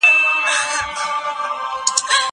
زه اوس د کتابتون لپاره کار کوم؟!